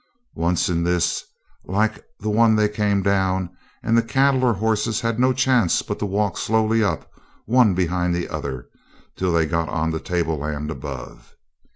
Once in this, like the one they came down, and the cattle or horses had no chance but to walk slowly up, one behind the other, till they got on the tableland above.